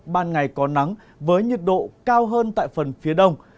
ban ngày có nắng với nhiệt độ cao hơn tại phần phía đông